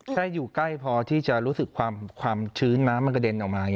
แค่อยู่ใกล้พอที่จะรู้สึกความชื้นน้ำมันกระเด็นออกมา